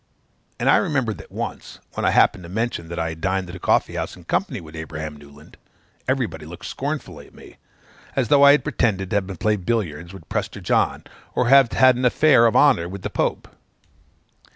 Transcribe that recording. And I remember that once, when I happened to mention that I had dined at a coffee house in company with Abraham Newland, everybody looked scornfully at me, as though I had pretended to have played at billiards with Prester John, or to have had an affair of honor with the Pope.